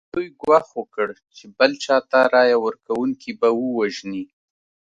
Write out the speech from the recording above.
دوی ګواښ وکړ چې بل چا ته رایه ورکونکي به ووژني.